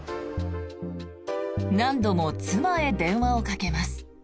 何度も妻へ電話をかけます。